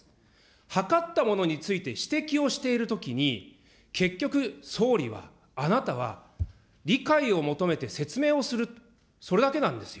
諮ったものについて指摘をしているときに、結局、総理は、あなたは理解を求めて説明をする、それだけなんですよ。